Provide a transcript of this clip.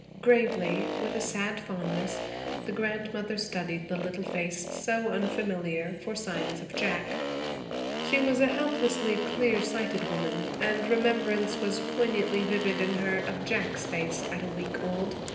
Gravely, with a sad fondness, the grandmother studied the little face, so unfamiliar, for signs of Jack. She was a helplessly clear sighted woman, and remembrance was poignantly vivid in her of Jack's face at a week old.